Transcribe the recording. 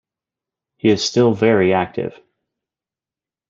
He is still very active.